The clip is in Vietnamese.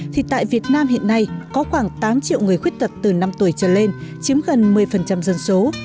thì tại việt nam hiện nay có khoảng tám triệu người khuyết tật từ năm tuổi trở lên chiếm gần một mươi dân số